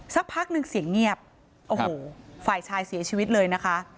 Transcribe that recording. สักพักหนึ่งเสียงเงียบโอ้โหฝ่ายชายเสียชีวิตเลยนะคะ